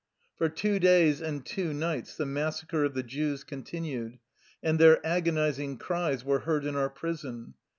For two days and two nights the massacre of the Jews continued, and their agonizing cries were heard in our prison.